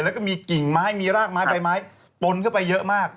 แล้วก็มีกิ่งไม้มีรากไม้ใบไม้ปนเข้าไปเยอะมาก